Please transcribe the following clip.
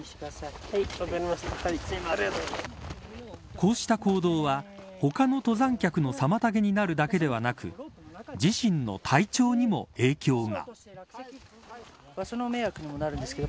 こうした行動は他の登山客の妨げになるだけではなく自身の体調にも影響が。